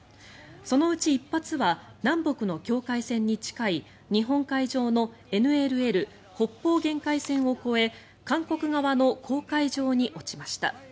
そのうち１発は南北の境界線に近い日本海上のＮＬＬ・北方限界線を越え韓国側の公海上に落ちました。